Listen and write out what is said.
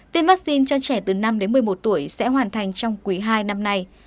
tiêm vaccine cho trẻ từ năm đến một mươi một tuổi sẽ hoàn thành trong quý hai năm nay